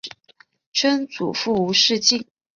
曾祖父吴仕敬。